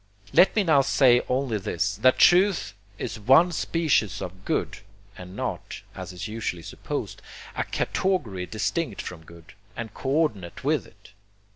Let me now say only this, that truth is ONE SPECIES OF GOOD, and not, as is usually supposed, a category distinct from good, and co ordinate with it.